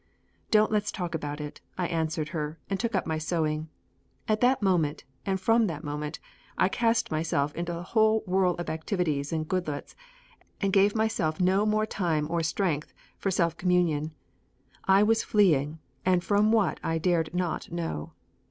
"Don't let's talk about it," I answered her and took up my sewing. At that moment and from that moment I cast myself into the whole whirl of activities in Goodloets and gave myself no more time or strength for self communion. I was fleeing, and from what I dared not know.